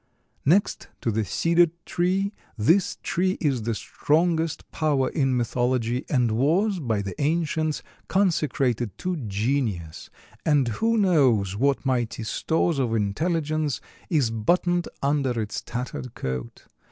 Next to the cedar tree, this tree is the strongest power in mythology and was, by the ancients, consecrated to Genius, and who knows what mighty stores of intelligence is buttoned under its tattered coat?